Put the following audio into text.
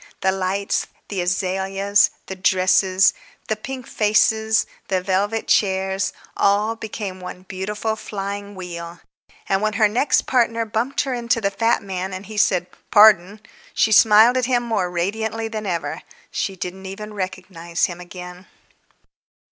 The lights, the azaleas, the dresses, the pink faces, the velvet chairs, all became one beautiful flying wheel. And when her next partner bumped her into the fat man and he said, "Par_don_," she smiled at him more radiantly than ever. She didn't even recognize him again.